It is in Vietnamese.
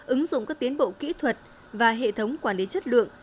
ứng dụng các tiến bộ kỹ thuật và hệ thống quản lý chất lượng